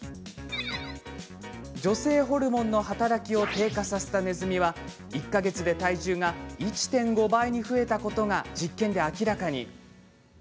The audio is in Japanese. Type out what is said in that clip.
女性ホルモンの働きを低下させたネズミは、１か月で体重が１．５倍に増えたことが実験で明らかに。